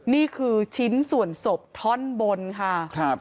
นี่คือชิ้นส่วนศพท่อนบนค่ะ